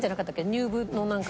入部のなんか。